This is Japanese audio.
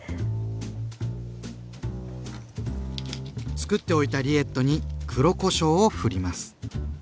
つくっておいたリエットに黒こしょうをふります。